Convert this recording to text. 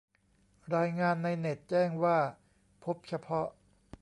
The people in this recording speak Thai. รายงานในเน็ตแจ้งว่าพบเฉพาะ